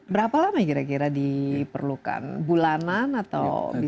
berapa lama kira kira diperlukan bulanan atau bisa